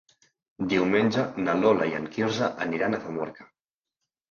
Diumenge na Lola i en Quirze aniran a Famorca.